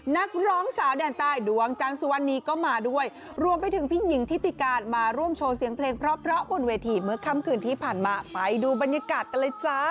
นักร้องสาวแดนใต้ดวงจันทร์สุวรรณีก็มาด้วยรวมไปถึงพี่หญิงทิติการมาร่วมโชว์เสียงเพลงเพราะเพราะบนเวทีเมื่อค่ำคืนที่ผ่านมาไปดูบรรยากาศกันเลยจ้า